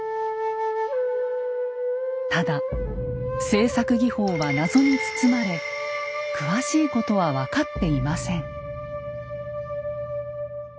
ただ製作技法は謎に包まれ詳しいことは分かっていません。